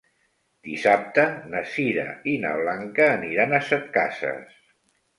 Dissabte na Sira i na Blanca aniran a Setcases.